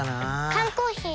缶コーヒー